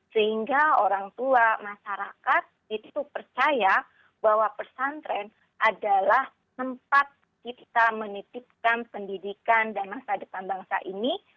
sehingga orang tua masyarakat itu percaya bahwa pesantren adalah tempat kita menitipkan pendidikan dan masa depan bangsa ini